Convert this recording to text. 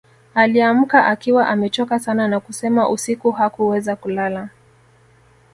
Aliamka akiwa amechoka sana na kusema usiku hakuweza kulala